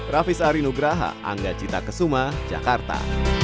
rafis arinugraha anggacita kesuma jakarta